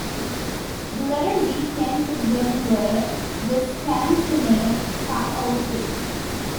The letter "Z" stands for the German word "Zustandssumme", "sum over states".